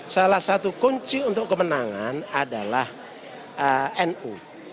salah satu kunci untuk kemenangan adalah nu